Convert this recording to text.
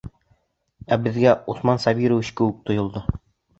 Ә беҙгә Усман Сабирович кеүек тойолдо.